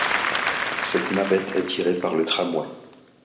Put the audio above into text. Cette navette est tirée par le tramway.